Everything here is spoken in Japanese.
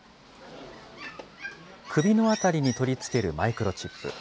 首のあたりに取り付けるマイクロチップ。